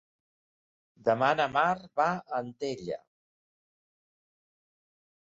Demà na Mar va a Antella.